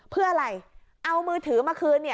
เพื่ออะไรเอามือถือมาคืน